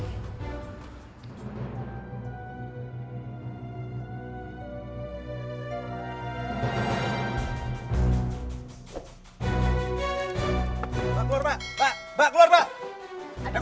mbak keluar mbak mbak keluar mbak